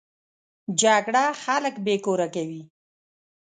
جګړه خلک بې کوره کوي